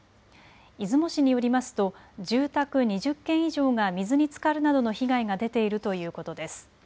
出雲市によりますと住宅２０軒以上が水につかるなどの被害が出ているということです。